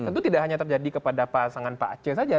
tentu tidak hanya terjadi kepada pasangan pak aceh saja